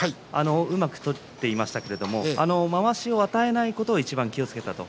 うまく取っていましたけれどもまわしを与えないことにいちばん気をつけたと。